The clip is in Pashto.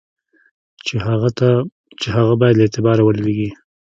چي هغه باید له اعتباره ولوېږي.